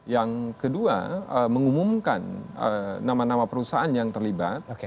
yang kedua mengumumkan nama nama perusahaan yang terlibat